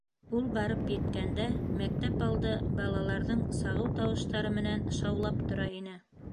Ул барып еткәндә, мәктәп алды балаларҙың сағыу тауыштары менән шаулап тора ине.